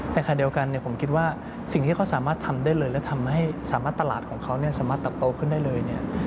ขณะเดียวกันผมคิดว่าสิ่งที่เขาสามารถทำได้เลยและทำให้สามารถตลาดของเขาสามารถเติบโตขึ้นได้เลยเนี่ย